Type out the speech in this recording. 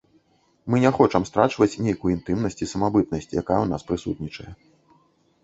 Мы не хочам страчваць нейкую інтымнасць і самабытнасць, якая ў нас прысутнічае.